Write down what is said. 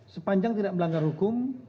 sepanjang tidak melanggar hukum